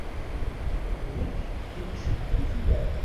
D nekk i icebḥen fell-am.